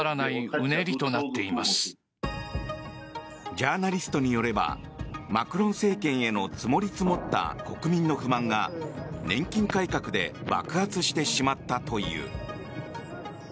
ジャーナリストによればマクロン政権への積もり積もった国民の不満が年金改革で爆発してしまったという。